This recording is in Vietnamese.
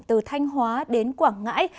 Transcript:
từ thanh hóa đến quảng ngãi